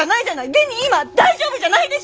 現に今大丈夫じゃないでしょ！？